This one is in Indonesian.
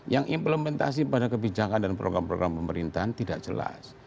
yang implementasi pada kebijakan dan program program pemerintahan tidak jelas